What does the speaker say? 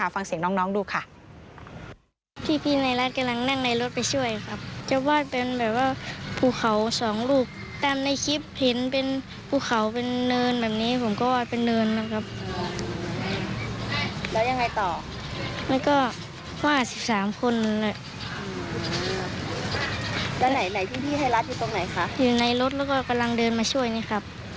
ฟังเสียงน้องดูค่ะ